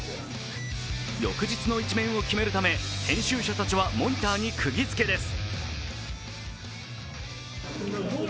翌日の１面を決めるため、編集者たちはモニターにくぎづけです。